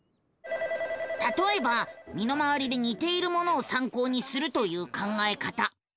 たとえば身の回りでにているものをさんこうにするという考え方。